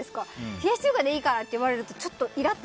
冷やし中華でいいから！って言われると、ちょっとイラッと。